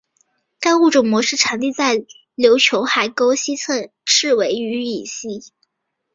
该物种的模式产地在琉球海沟西侧赤尾屿以西。